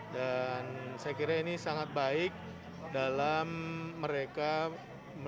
dan saya kira ini sangat baik dalam mereka mencari